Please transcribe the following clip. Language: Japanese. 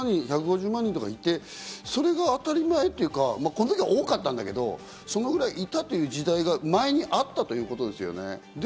その前は１５０万人とかいて、それが当たり前というか、この時は多かったんだけど、そのぐらいいたという時代が前にあったということですね。